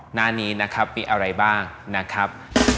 หน้านี้นะครับมีอะไรบ้างนะครับ